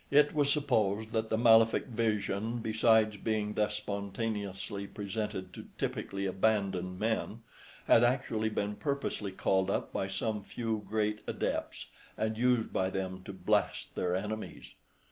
It was supposed that the Malefic Vision, besides being thus spontaneously presented to typically abandoned men, had actually been purposely called up by some few great adepts, and used by them to blast their enemies.